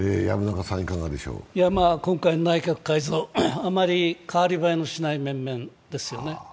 今回の内閣改造、あまり変わりばえのしない面々ですよね。